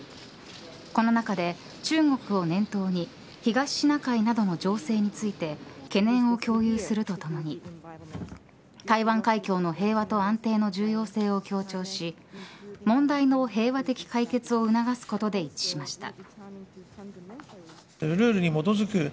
この中で中国を念頭に東シナ海などの情勢について懸念を共有するとともに台湾海峡の平和と安定の重要性を強調し問題の平和的解決を促すことで一致しました。